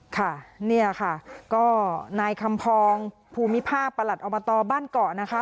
ค่ะเนี่ยค่ะก็นายคำพองภูมิภาคประหลัดอบตบ้านเกาะนะคะ